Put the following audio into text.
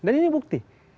dan ini bukti